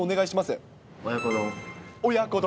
親子丼。